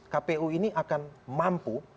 kpu ini akan mampu